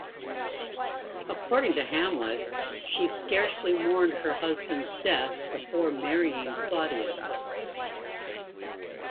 According to Hamlet, she scarcely mourned her husband's death before marrying Claudius.